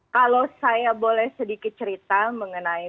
kalau saya boleh sedikit cerita mengenai